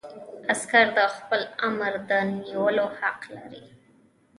عسکر د خپل آمر د نیولو حق لري.